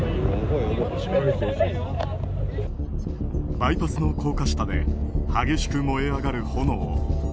バイパスの高架下で激しく燃え上がる炎。